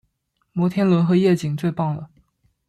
摩天轮和夜景最棒了